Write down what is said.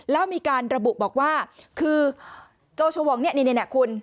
แล้วมีการระบุบอกว่าคือโจชวงเนี่ยนี่คุณ